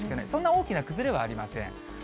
そんな大きな崩れはありません。